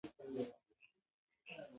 له نورو فرهنګي جريانونو سره يوځاى شو